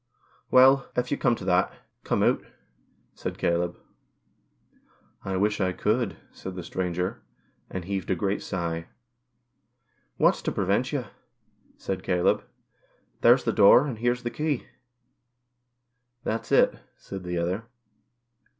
" Well, if you come to that, come out," said Caleb. "I wish I could," said the stranger, and heaved a great sigh. "What's to prevent you?" said Caleb. " There's the door, and here's the key." " That's it," said the other.